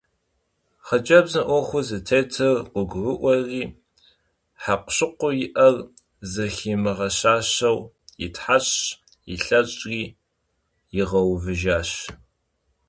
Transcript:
Xhıcebzım 'Uexur zıtêtır khıgurı'ueri hekhuşıkhuu yi'er zeximığeşaşeu yitheş'ş, yilheş'ri yiğeuvıjjaş.